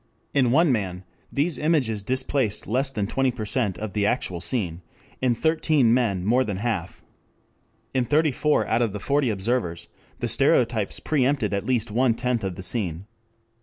In one man these images displaced less than 20% of the actual scene, in thirteen men more than half. In thirty four out of the forty observers the stereotypes preempted at least one tenth of the scene.